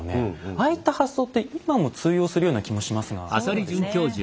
ああいった発想って今も通用するような気もしますがいかがでしょう？